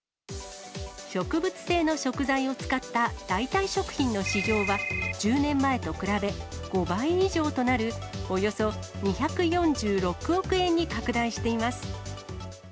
植物性の食材を使った代替食品の市場は、１０年前と比べ、５倍以上となるおよそ２４６億円に拡大しています。